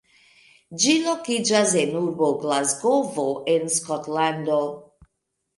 Ĝi lokiĝas en urbo Glasgovo en Skotlando.